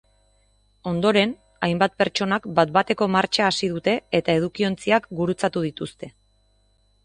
Ondoren, hainbat pertsonak bat-bateko martxa hasi dute eta edukiontziak gurutzatu dituzte.